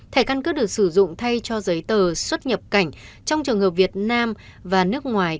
thẻ căn cước được sử dụng thay cho giấy tờ xuất nhập cảnh trong trường hợp việt nam và nước ngoài